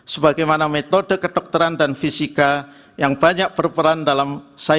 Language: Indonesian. sebagai mana metode kedokteran dan fisika yang banyak berperan dalam sains